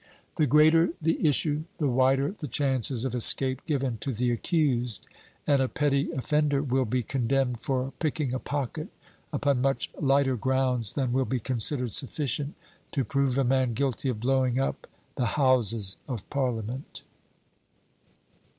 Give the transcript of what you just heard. The greater the issue, the wider the chances of escape given to the accused; and a petty offender will be condemned for picking a pocket upon much lighter grounds than will be considered sufficient to prove a man guilty of blowing up the Houses of Parliament.